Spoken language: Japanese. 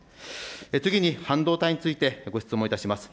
次に半導体についてご質問いたします。